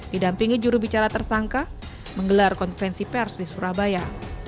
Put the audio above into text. didampingi jurubicara tersangka menggelar konferensi pers di surabaya